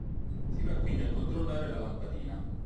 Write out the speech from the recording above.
Si va quindi a controllare la lampadina.